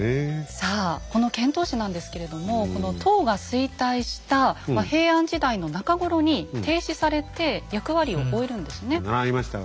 さあこの遣唐使なんですけれどもこの唐が衰退した平安時代の中頃に停止されて役割を終えるんですよね。